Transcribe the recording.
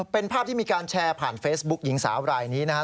เป็นภาพที่มีการแชร์ผ่านเฟซบุ๊กหญิงสาวรายนี้นะครับ